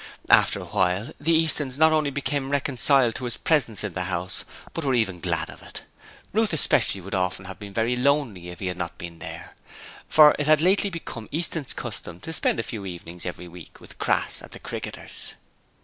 After a while, the Eastons not only became reconciled to his presence in the house, but were even glad of it. Ruth especially would often have been very lonely if he had not been there, for it had lately become Easton's custom to spend a few evenings every week with Crass at the Cricketers.